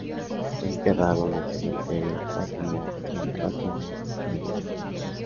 Fue enterrado en el Cementerio Baltimore, en Baltimore, Maryland.